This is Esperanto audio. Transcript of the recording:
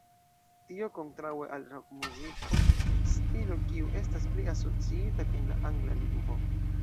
Tio kontraŭe al rokmuziko, stilo kiu estas pli asociita kun la angla lingvo.